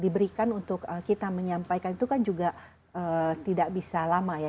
diberikan untuk kita menyampaikan itu kan juga tidak bisa lama ya